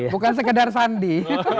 bukan sekedar sandi